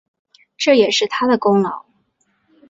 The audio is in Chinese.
这也是他的功劳